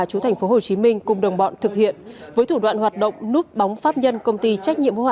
chú tp hcm cùng đồng bọn thực hiện với thủ đoạn hoạt động núp bóng pháp nhân công ty trách nhiệm hữu